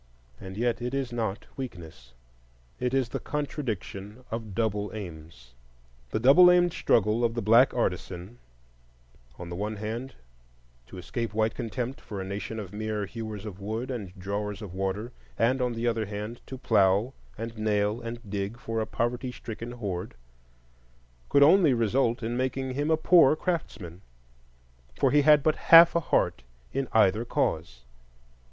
And yet it is not weakness,—it is the contradiction of double aims. The double aimed struggle of the black artisan—on the one hand to escape white contempt for a nation of mere hewers of wood and drawers of water, and on the other hand to plough and nail and dig for a poverty stricken horde—could only result in making him a poor craftsman, for he had but half a heart in either cause.